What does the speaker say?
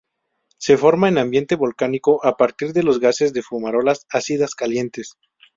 Se forma en ambiente volcánico, a partir de los gases de fumarolas ácidas calientes.